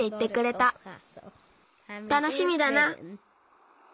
たのしみだな。